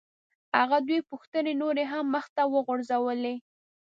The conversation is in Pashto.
هغه دوه پوښتنې نورې هم مخ ته وغورځولې.